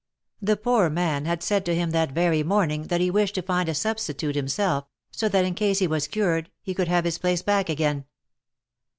The poor man had said to him that very morning that he wished to find a substitute himself, so that in case he was cured, he could have his place back again.